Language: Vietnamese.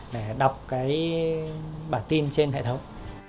để đọc bản tin trên hệ thống